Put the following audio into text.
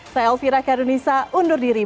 saya elvira karunisa undur diri